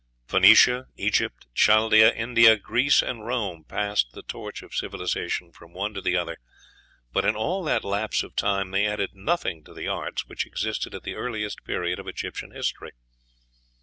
Phoenicia, Egypt, Chaldea, India, Greece, and Rome passed the torch of civilization from one to the other; but in all that lapse of time they added nothing to the arts which existed at the earliest period of Egyptian history.